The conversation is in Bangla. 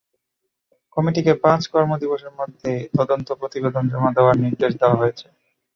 কমিটিকে পাঁচ কর্মদিবসের মধ্যে তদন্ত প্রতিবেদন জমা দেওয়ার নির্দেশ দেওয়া হয়েছে।